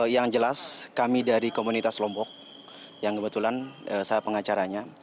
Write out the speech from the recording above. yang jelas kami dari komunitas lombok yang kebetulan saya pengacaranya